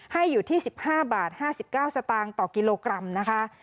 ให้อยู่ที่๑๕บาท๕๙สตางค์ต่อกิโลกรัมนะคะ